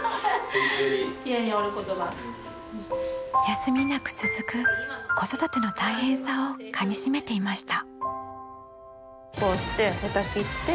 休みなく続く子育ての大変さをかみ締めていました。